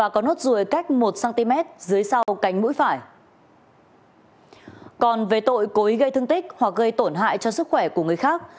còn về tội cố ý gây thương tích hoặc gây tổn hại cho sức khỏe của người khác